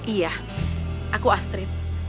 iya aku astrid